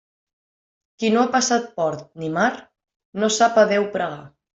Qui no ha passat port ni mar, no sap a Déu pregar.